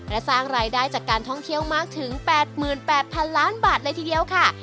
และสร้างรายได้จากการท่องเที่ยวมากถึง๘๘๐๐๐ล้านบาทเลยทีเดียวค่ะ